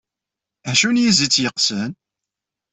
Acu n yizi i tt-yeqqesen?